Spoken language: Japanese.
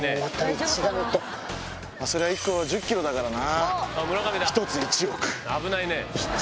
それは１個１０ｋｇだからな。